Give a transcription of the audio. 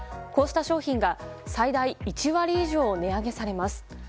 こうした商品が最大１割以上値上げされます。